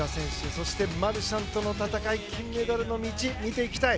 そして、マルシャンとの戦い金メダルへの道を見ていきたい。